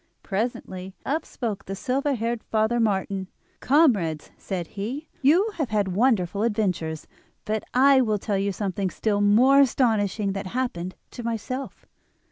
Presently up spoke the silver haired Father Martin. "Comrades," said he, "you have had wonderful adventures; but I will tell you something still more astonishing that happened to myself.